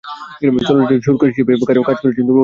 চলচ্চিত্রটিতে সুরকার হিসেবে কাজ করেছেন অরিন্দম চট্টোপাধ্যায়।